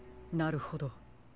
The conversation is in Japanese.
なるほど。